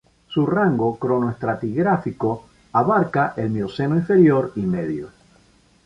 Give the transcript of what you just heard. Su rango cronoestratigráfico abarca el Mioceno inferior y medio.